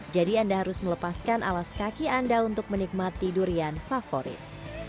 jadi anda harus melepaskan alas kaki anda untuk menikmati durian favorit